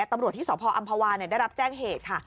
ตำรวจที่สพอำภาวาได้รับแจ้งเหตุค่ะ